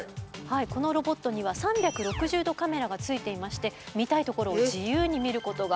このロボットには３６０度カメラがついていまして見たいところを自由に見ることができます。